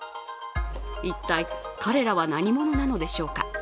一体、彼らは何者なのでしょうか。